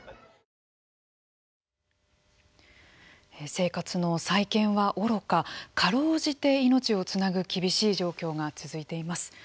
生活の再建はおろかかろうじて命をつなぐ厳しい状況が続いています。